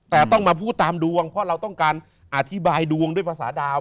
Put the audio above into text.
แต่ต้องมาพูดตามดวงเพราะเราต้องการอธิบายดวงด้วยภาษาดาว